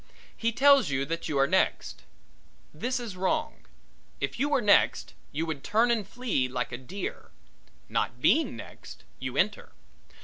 He tells you that you are next. This is wrong if you were next you would turn and flee like a deer. Not being next, you enter.